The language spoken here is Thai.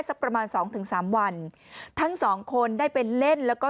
สักประมาณสองถึงสามวันทั้งสองคนได้ไปเล่นแล้วก็